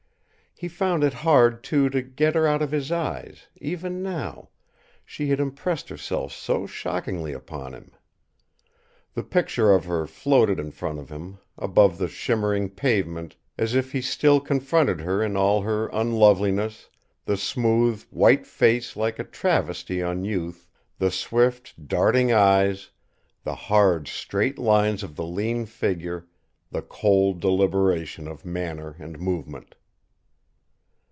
He found it hard, too, to get her out of his eyes, even now she had impressed herself so shockingly upon him. The picture of her floated in front of him, above the shimmering pavement, as if he still confronted her in all her unloveliness, the smooth, white face like a travesty on youth, the swift, darting eyes, the hard, straight lines of the lean figure, the cold deliberation of manner and movement.